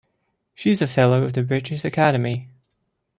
She is a Fellow of the British Academy.